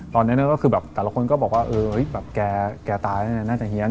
ตอนนั้นก็คือแบบแต่ละคนก็บอกว่าเออแบบแกตายแล้วน่าจะเฮียน